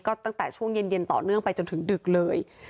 ก็ตั้งแต่ช่วงเย็นต่อเนื่องไปจนถึงดึกเลย